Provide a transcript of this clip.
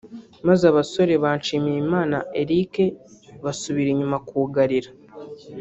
maze abasore ba Nshimiyimana Eric basubira inyuma kugarira